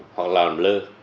hoặc là làm lơ